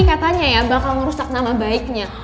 katanya ya bakal merusak nama baiknya